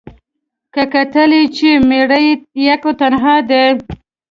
که کتل یې چي مېړه یې یک تنها دی